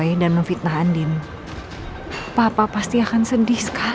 tante om aku izin pamit dulu ya